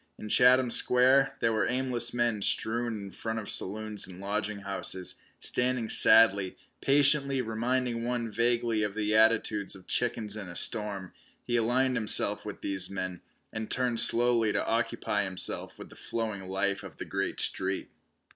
In Chatham Square there were aimless men strewn in front of saloons and lodging houses, standing sadly, patiently, reminding one vaguely of the attitudes of chickens in a storm. He aligned himself with these men, and turned slowly to occupy himself with the flowing life of the great street.